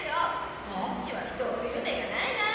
チッチは人を見る目がないなあ！